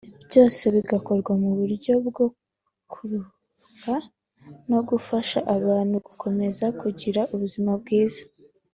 byose bigakorwa mu buryo bwo kuruhuka no gufasha abantu gukomeza kugira ubuzima bwiza